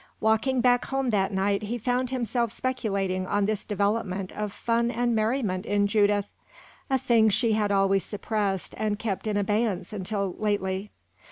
Walking back home that night, he found himself speculating on this development of fun and merriment in Judith a thing she had always suppressed and kept in abeyance until lately.